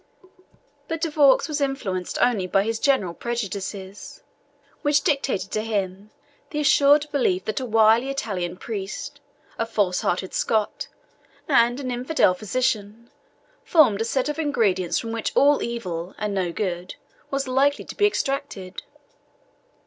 But De Vaux was influenced only by his general prejudices, which dictated to him the assured belief that a wily Italian priest, a false hearted Scot, and an infidel physician, formed a set of ingredients from which all evil, and no good, was likely to be extracted.